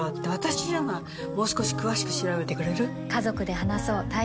もう少し詳しく調べてくれる？